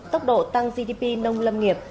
tốc độ tăng gdp nông lâm nghiệp